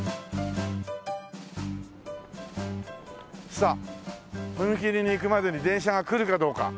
さあ踏切に行くまでに電車が来るかどうか。